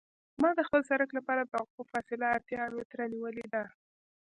ما د خپل سرک لپاره د توقف فاصله اتیا متره نیولې ده